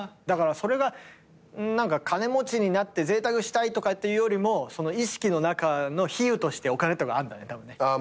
だからそれが金持ちになってぜいたくしたいっていうよりも意識の中の比喩としてお金ってのがあるんだね。